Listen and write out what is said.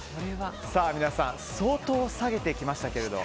皆さん、相当下げてきましたけど。